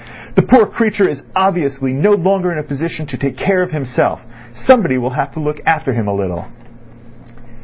"The poor creature is obviously no longer in a position to take care of himself. Somebody will have to look after him a little."